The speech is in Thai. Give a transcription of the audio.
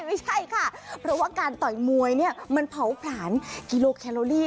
ไม่ใช่ค่ะเพราะว่าการต่อยมวยเนี่ยมันเผาผลาญกิโลแคโลลี่